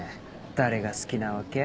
誰が好きなわけ？